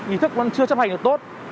ý thức vẫn chưa chấp hành được tốt